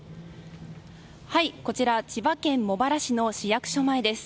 こちら千葉県茂原市の市役所前です。